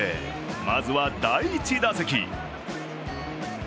まずは第１打席。